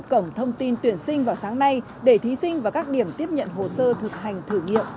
cổng thông tin tuyển sinh vào sáng nay để thí sinh và các điểm tiếp nhận hồ sơ thực hành thử nghiệm